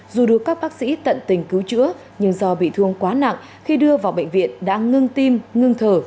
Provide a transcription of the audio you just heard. dù được các bác sĩ tận tình cứu chữa nhưng do bị thương quá nặng khi đưa vào bệnh viện đã ngưng tim ngưng thở